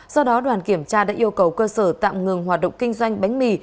do đó đoàn kiểm tra đã yêu cầu cơ sở tạm ngừng hoạt động kinh doanh bánh mì